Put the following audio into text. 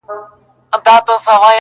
بیا به له دغه ښاره د جهل رېښې و باسو,